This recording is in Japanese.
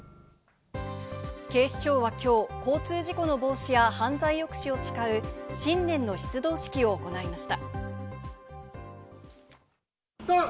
警視庁は今日、交通事故の防止や犯罪抑止を誓う新年の出動式を行いました。